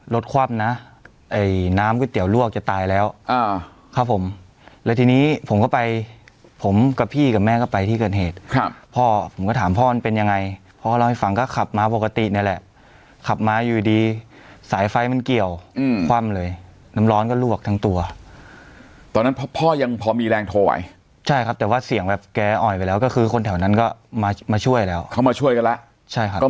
ลูกสาว๑ครับผมลูกสาว๑ครับผมลูกสาว๑ครับผมลูกสาว๑ครับผมลูกสาว๑ครับผมลูกสาว๑ครับผมลูกสาว๑ครับผมลูกสาว๑ครับผมลูกสาว๑ครับผมลูกสาว๑ครับผมลูกสาว๑ครับผมลูกสาว๑ครับผมลูกสาว๑ครับผมลูกสาว๑ครับผมลูกสาว๑ครับผมลูกสาว๑ครับผมลูกสาว๑ครับผม